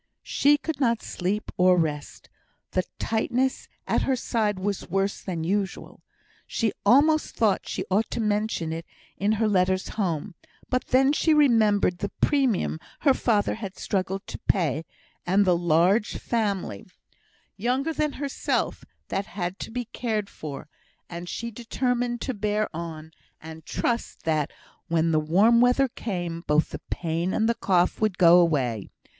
She could not sleep or rest. The tightness at her side was worse than usual. She almost thought she ought to mention it in her letters home; but then she remembered the premium her father had struggled hard to pay, and the large family, younger than herself, that had to be cared for, and she determined to bear on, and trust that when the warm weather came both the pain and the cough would go away.